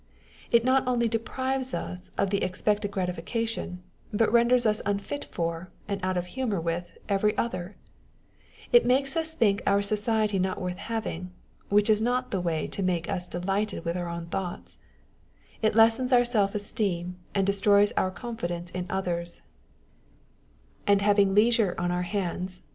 â€" it not only deprives us of the expected gratification, but renders us unfit for, and out of humour with, every other ; it makes us think our society not worth having, which is not the way to make us delighted with our own thoughts ; it lessens our self esteem and destroys our confidence in others ; and having leisure on our hands On the Spirit of Obligations.